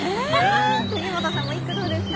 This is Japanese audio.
杉本さんも一句どうですか？